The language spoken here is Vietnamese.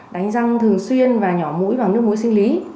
đánh răng thường xuyên và nhỏ mũi vào nước mũi sinh lý